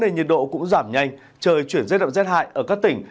nhiệt độ cũng giảm nhanh trời chuyển rét đậm rét hại ở các tỉnh